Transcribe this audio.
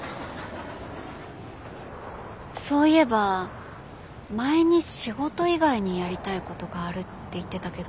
そういえば前に仕事以外にやりたいことがあるって言ってたけど。